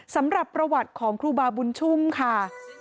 สำหรับประวัติของครูบาบุญชุ่มค่ะ